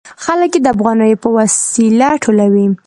خلک یې د افغانیو په وسیله ټولوي.